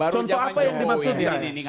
contoh apa yang dimaksudnya